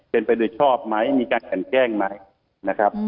เป็นประโยชน์ชอบไหมมีการแข่งแกล้งไหมนะครับ